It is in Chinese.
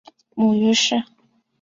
母于氏。